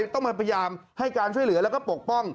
ต้องมาพยายามให้การช่วยเหลือแล้วก็ปกป้อง